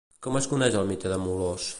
Com es coneix el mite de Molós?